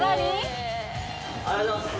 ありがとうございます。